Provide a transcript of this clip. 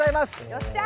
よっしゃ！